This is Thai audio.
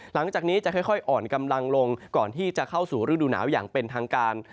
หลังจากนี้จะค่อยอ่อนกำลังลงก่อนที่จะเข้าสู่ฤดูหนาวอย่างเป็นทางการ